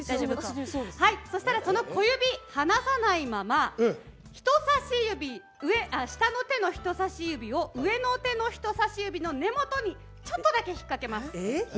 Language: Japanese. そしたらその小指、離さないまま下の手の人さし指を上の手の人さし指の根元にちょっとだけ引っ掛けます。